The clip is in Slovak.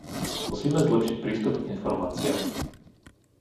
Musíme zlepšiť prístup k informáciám.